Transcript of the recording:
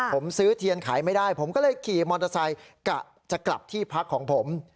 ผมซื้อเทียนขายไม่ได้ผมก็เลยขี่มอเตอร์ไซค์กะจะกลับที่พักของผม